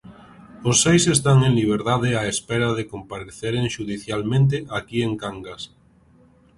Os seis están en liberdade á espera de compareceren xudicialmente aquí en Cangas.